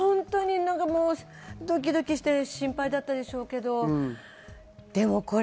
ドキドキして心配だったでしょうけど。